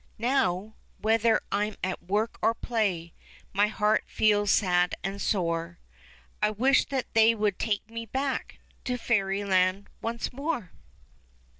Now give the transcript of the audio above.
Now, whether I'm at work or play My heart feels sad and sore : I wish that they would take me back To fairyland once more.